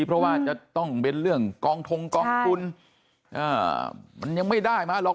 เพราะว่าจะต้องเบ้นเรื่องกองทงกองทุนมันยังไม่ได้มาหรอก